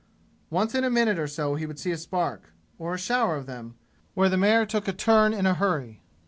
Once in a minute or so he would see a spark, or a shower of them, where the mare took a turn in a hurry.